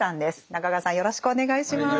中川さんよろしくお願いします。